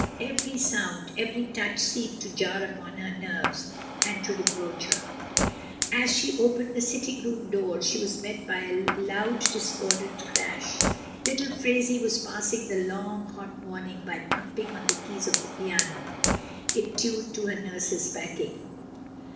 Every sound, ever) touch seemed to jar upon her nerves and to re proach her. As she opened the sitting room do(ff, she was met by a loud discordant crash. Little Phraisie was passing the long, hot morning by thumping on the keys of the piano in time to her nurse's packing.